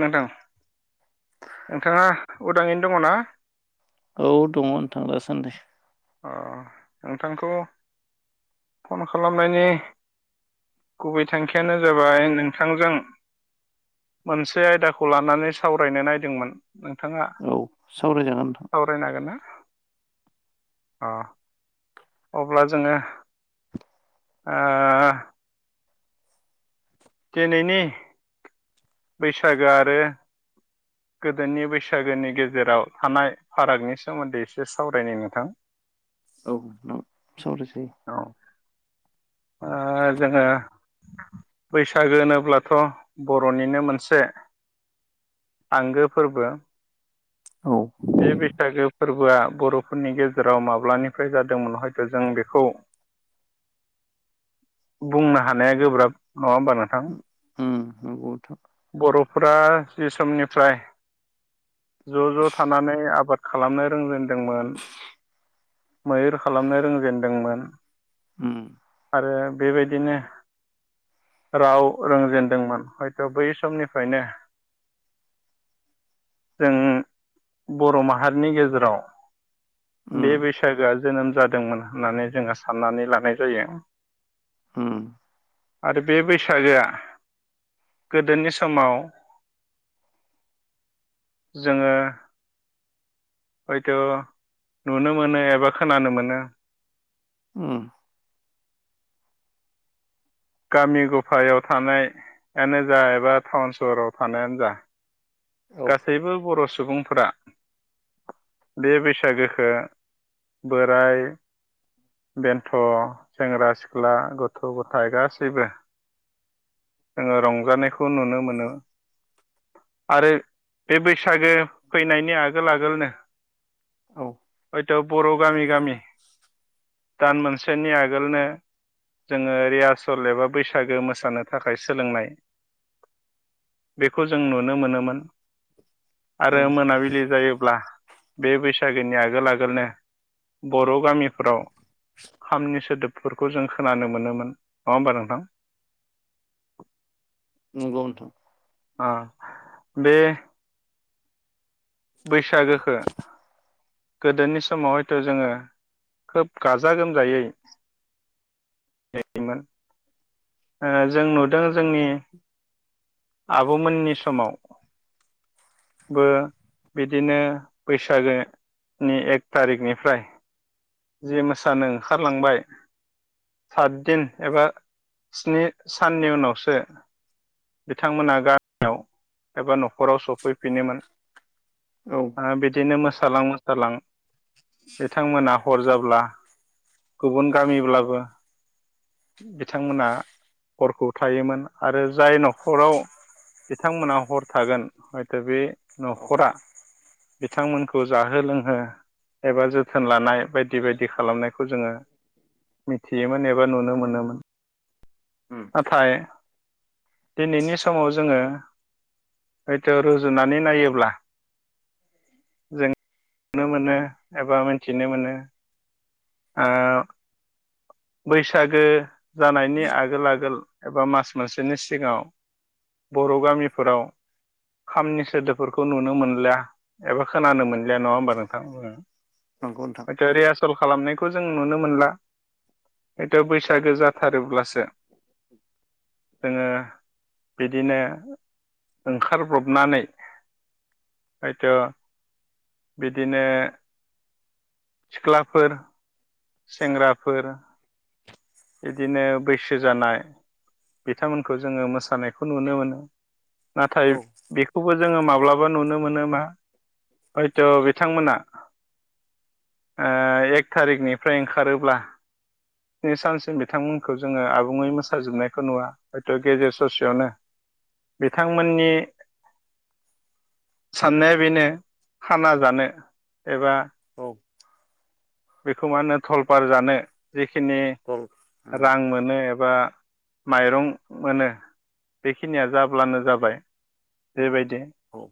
नोंथां नोंथाङा उदाङैनो दङना औ दङ नोथां दासानदे नोंथांखौ फन खालामनायनि गुबै थांखियानो जाबाय नोंथांजों मोनसे आयदाखौ लानानै सावरायनो नायदोंमोन नोंथाङा औ सावरायजागोन नोंथां सावरायनांगोननो अ अब्ला जोङो दिनैनि बैसागो आरो गोदोनि बैसागोनि गेजेराव थानाय फारागनि सोमोन्दै एसे सावरायनो नोंथां औ नों सावरायजायो औ ओ जोङो बैसागो होनोब्लाथ बरनिनो मोनसे आंगो फोरबो औ बे बैसागो फोरबोआ बर'फोरनि गेजेराव माब्लानिफ्राय जादोंमोन हयथ' जों बेखौ बुंनो हानाया गोब्राब नङा होमबानो मगथ' बर फ्रा जि समनिफ्राय ज ज थानानै आबाद खालामनो रोंजेनदोंमोन मैहुर खालामनो रोंजेनदोंमोन उम ओ बेबायदिनो राव रोंजेनदोंमोन हयथ बै समनिफ्रायनो जों बर माहारिनि गेजेराव बे उम बैस सागोआ जोनोम जादोंमोन होननानै जोङो साननानै लानाय जायो उम आरो बे बैसागोआ गोदोनि समाव जोङो हयथ नुनो मोनो एबा खोनानो मोनो उम गामि गफायाव थानायानो जा एबा टाउन सहराव थानायानो जा औ गासैबो बर सुबुंफोरा बे बैसागोखो बोराय बेन्थ सेंग्रा सिख्ला गथ गथाय गासैबो जोङो रंजानायखौ नुनो मोनो आरो बे बैसागो फैनायनि आगोल आगोलनो औ हयथ बर गामि गामि दान मोनसेनि आगोलनो जोङो रिहारसल एबा बैसागो मोसानो थाखाय सोलोंनाय बेखौ जों नुनो मोनोमोन औ आरो मोनाबिलि जायोब्ला बे बैसागोनि आगोल आगोलनो बर गामि फोराव खामनि सोदोबफोरखौ जों खोनानो मोनोमोन नङा होमबा नोंथां? नंगौ नोंथां अ बे बैसागोखो गोदोनि समाव हयथ जोङो खोब गाजा गोमजायै [unintelligible] मोन ओ जों नुदों जोंनि आब मोननि समाव बो बिदिनो बैसागो नि एक थारिखनिफ्राय जे मोसानो ओंखारलांबाय सातदिन एबा स्नि साननि उनावसो बिथांमोना गामियाव एबा न खराव सफैफिनोमोन औ ओ बिदिनो मोसालां मोसालां बिथां हर जाब्ला गुबुन गामिब्लाबो बिथांमोना हरखौ थायोमोन आरो जाय न'खराव बिथांमोना हर थागोन हयथ' बे औ न'खरा बिथांमोनखौ जाहो लोंहो एबा जोथोन लानाय बायदि बायदि खालामनायखौ जोङो मिथियोमोन एबा नुनो मोनोमोन। उम नाथाय दिनैनि समाव जोङो हयथ रुजुनानै नायोब्ला जों नुनो मोनो एबा मिथिनो मोनो आ बैसागो जानायनि आगोल आगोल एबा मास मोनसेनि सिगाङाव बर' गामिफोराव खामनि सोदोबफोरखौ नुनो मोनलिया एबा खोनानो मोनलिया नङा होमबा नोंथां? नंगौ नोंथां हयथ' रिहासल खालामनायखौ जों नुनो मोनला। हयथ' बैसागो जाथारोब्लासो [inaudible] जोङो बिदिनो ओंखारब्रबनानै हयथ' बिदिनो सिख्लाफोर सेंग्राफोर बिदिनो बैसो जानाय बिथांमोनखौ जोङो मोसानायखौ नुनो मोनो। नाथाय औ बेखौबो जोङो माब्लाबा नुनो मोनो मा हयथ' बिथांमोना ओ एक थारिखनिफ्राय ओंखारोब्ला स्नि सान सिम बिथांमोनखौ जोङो आबुङै मोसाजोबनायखौ नुवा। हयथ' गेजेर ससेयावनो बिथांमोननि साननाया बेनो खाना जानो एबा औ बेखौ मा होनो थलपार जानो जिखिनि उम रां मोन नो एबा माइरं मोनो बेखिनिया जाब्लानो जाबाय। बेबायदि औ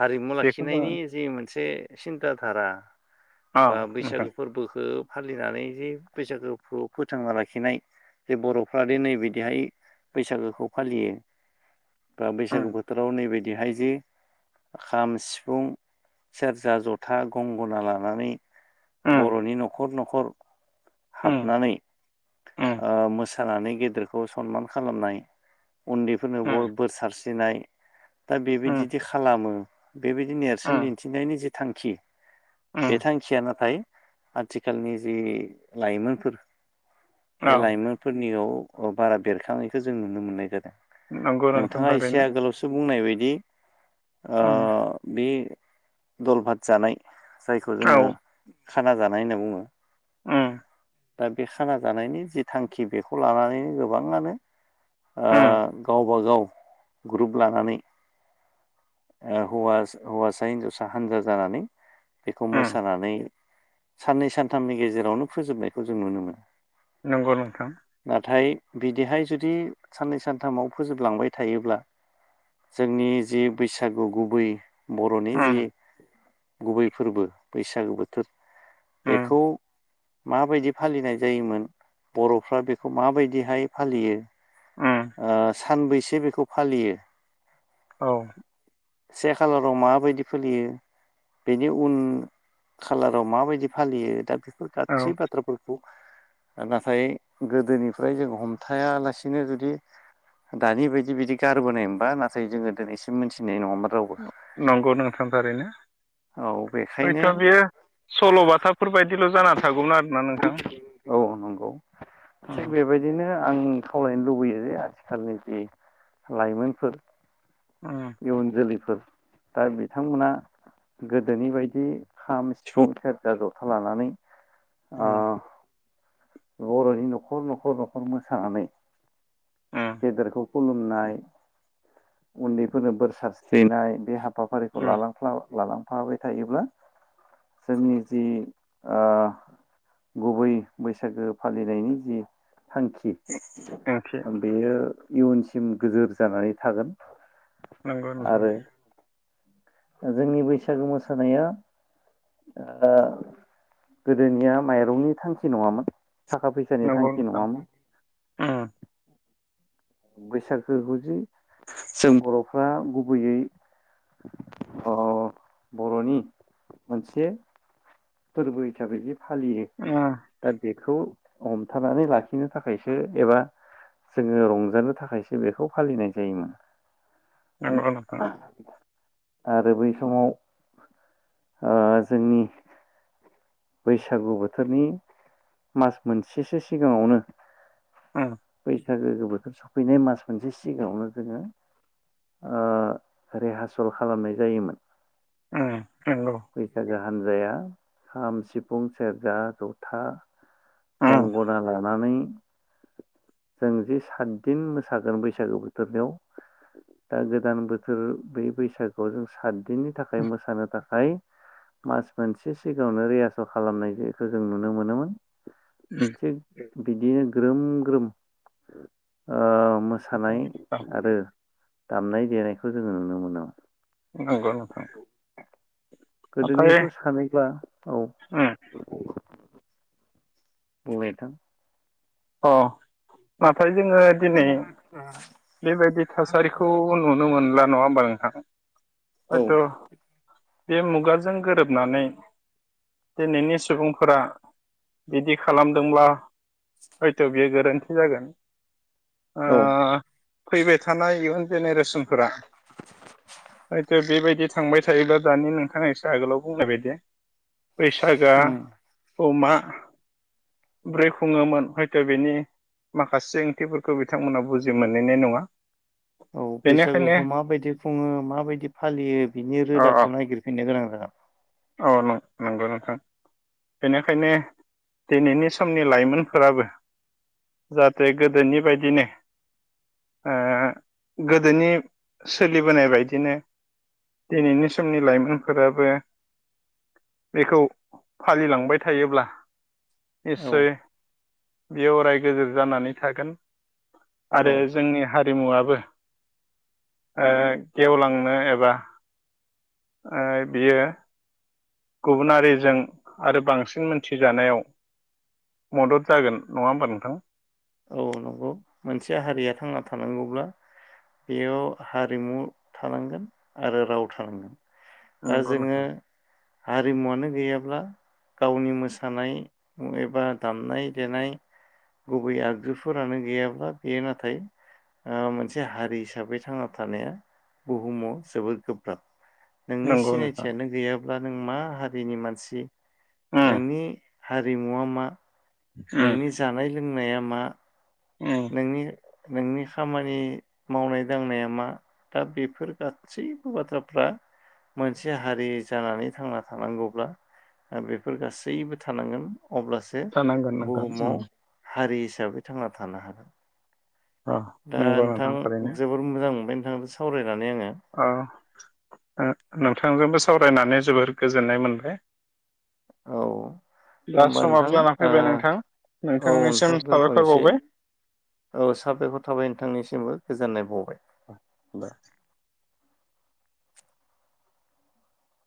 हारिमु बेखौ जोङो लाखिनायनि जि मोनसे सिन्था धारा औ बा बैसागो नोंथां फोरबोखो फालिनानै जे बैसागो फोथांना लाखिनाय हे बर'फ्रा दे नैबिदिहाय बैसागोखौ फालियो बा उम बैसागु बोथोराव नैबदिहाय जे खाम, सिफुं, सेरजा, जथा, गंगना लानानै उम बर'नि न'खर न'खर उम हाबनानै उम ओ मोसानानै गेदेरखौ सनमान खालामनाय उन्दैफोरनोबो उम बोर सारस्रिनाय दा उम बेबायदिदि खालामो बेबायदि नेरसोन उम दिन्थिनायनि जि थांखि बे उम। थांखिया नाथाय आथिखालनि जि लाइमोनफोर बे औ लाइमोनफोरनियाव बारा बेरखांनायखौ जों नुनो मोननाय जादों। नंगौ नोंथां नोंथाङा एसे थारैनो आगोलावसो बुंनाय बायदि। ओ उम बे दल भात जानाय जायखौ औ जोङो खाना जानाय होनना बुङो। उम। दा बे खाना जानायनि जि थांखि बेखौ लानानैनो गोबाङानो आ उम गावबागाव ग्रुप लानानै ओ हौवा-हौवासा हिनजावसा हानजा जानानै। बेखौ उम मोसानानै साननै सानथामनि गेजेरावनो फोजोबनायखौ जों नुनो मोनो। नंगौ नोंथां। नाथाय बिदिहाय जुदि साननै सानथामाव फोजोबलांबाय थायोब्ला जोंनि जि बैसागु गुबै बर'नि उम जि गुबै फोरबो बैसागो बोथोर उम बेखौ माबायदि फालिनाय जायोमोन बर'फ्रा बेखौ माबायदिहाय फालियो। उम ओ सानबैसो बेखौ फालियो। औ। से खालाराव माबायदि फोलियो बेनि उन खालाराव माबायदि फालियो दा बे बेफोर औ गासै बाथ्राफोरखौ नाथाय गोदोनिफ्राय जों हमथायालासिनो जुदि दानि बायदि बिदि गारबोनायमोनबा नाथाय जोङो दिनैसिम मोनथिनाय नङामोन। रावबो नंगौ नोंथांथाररैनो। औ बेखायनो सल'बाथाफोर बायदिल' जाना थागौमोन आरोना नोंथां। उम बेबाय दिनो आं खावलायनो लुबैयो जे आथिखालनि जि लाइमोनफोर। अ। इयुन जोलैफोर दा बिथांमोना गोदोनि बायदि खाम सिफुं सेरजा जथा लानानै ओ उम बर'नि न'खर न'खर न'खर मोसानानै। उम गेदेरखौ। खुलुमनाय। उन्दैफोरनो बोर सारस्रिनाय बे हाबाफारिखौ लालां लालांफाबाय थायोब्ला जोंनि जि ओ गुबै बैसागो फालिनायनि जि थांखि। उम ओंथि बेयो इयुनसिम गोजोर जानानै थागोन। नंगौ नोंथां। आरो जोंनि बैसागु मोसानाया ओ गोदोनिया माइरंनि थांखि नङामोन थाखा फैसा। [unintelligible] नंगौ थांखि नोंथां नङामोन। उम बैसागोखौ जे जों बर'फ्रा गुबैयै अ बर'नि मोनसे फोरबो हिसाबै जे फालियो। [unintelligible] दा बेखौ हमथानानै लाखिनो थाखायसो एबा जोङो रंजानो थाखायसो बेखौ फालिनाय जायोमोन। नंगौ नोंथां आरो बै समाव ओ जोंनि बैसागु बोथोरनि मास मोनसेसो सिगाङावनो उम बैसागो बोथोर सफैनाय मास मोनसे सिगाङावनो जोङो ओ रिहारसल खालामनाय जायोमोन। [unintelligible] बैसागो हान्जाया खाम सिफुं सेरजा जथा। उम गंगना लानानै जों जि सातदिन मोसागोन बैसागो बोथोरनियाव दा गोदान बोथोर बेै बैसागोआव जों सातदिननि थाखाय मोसानो थाखाय मास मोनसे सिगाङावनो रिहासल खालामनाय इखौ जों नुनो मोनोमोन। [unintelligible] थिग बिदिनो ग्रोम ग्रोम ओ मोसानाय आरो दामनाय देनायखौ जोङो नुनो मोनो। नंगौ नोंथां। नाथाय गोदोनिखौ सानैब्ला औ उम [unintelligible] अ नाथाय जोङो दिनै बेबायदि थासारिखौ नुनो मोनला नङा होमबा नोंथां औ हयथ' बे मुगाजों गोरोबनानै दिनैनि सुबुंफोरा बिदि खालामदोंब्ला हयथ' बेयो गोरोन्थि जागोन ओ औ फैबाय थानाय इयुन जेनेरेसनफोरा हयथ' बेबायदि थांबाय थायोब्ला दानि नोंथांआ एसो आगोलाव बुंनाय बायदि बैसागोआ उम अमा ब्रै खुङोमोन। हयथ' बेनि माखासे ओंथिफोरखौ बिथांमोना बुजि मोनहैनाय नङा औ बेनिखायनो बैसागुखौ माबायदि खुङो माबायदि फालियो बिनि अ अ रोदाखौ नायगिरफिननो गोनां जागोन औ नं नोंगौ नोंथां बेनिखायनो दिनैनि समनि लाइमोनफोराबो जाहाथे गोदोनि बायदिनो गोदोनि सोलिबोनाय बायदिनो दिनैनि समनि लाइमोनफोराबो बेखौ फालिलांबाय थायोब्ला औ निस्सय बेयो अराय गोजोर जानानै थागोन आरो औ जोंनि हारिमुवाबो गेवलांनो एबा बियो गुबुनारिजों आरो बांसिन मोनथिजानायाव मदद जागोन नङा होमबा नोंथां औ नंगौ मोनसे हारिया थांना थानांगौब्ला बेयाव हारिमु थानांगोन आरो राव थानांगोन दा नंगौ जोङो नोंथां हारिमुवानो गैयाब्ला गावनि मोसानाय एबा दामनाय देनाय गुबै आगजुफोरानो गैयाब्ला बेयो नाथाय मोनसे हारि हिसाबै थांना थानाया बुहुमाव जोबोद गोब्राब नोंनि नंगौ नोंथां सिनायथियानो गैयाब्ला अब्ला नों मा हारिनि मानसि उम नोंनि हारिमुवा मा उम नोंनि जानाय लोंनाया मा उम नोंनि नोंनि खामानि मावनाय दांनाया मा दा बेफोर गासैबो बाथ्राफ्रा मोनसे हारि जानानै थांना थानांगौब्ला बेफोर गासैबो थानांगोन अब्लासो जानांगोन नोंथां उम बुहुमाव हारि हिसाबै थांना थानो हागोन अ दा नंगौ नोंथां थारैनो जोबोर मोजां मोनबाय नोंथां सावरायनानै आङो नोंथांजोंबो सावरायनानै जोबोर गोजोननाय मोनबाय औ दा होमबा समाबो नोंथां जाना फैबाय नोंथां औ नोंथांनिसिम नोंथां साबायखर दोनथ'नोसै बावबाय औ साबेक्खौर थाबाय नोंथांनिसिमबो गोजोननाय बावबाय [inaudible]